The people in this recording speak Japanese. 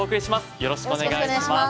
よろしくお願いします。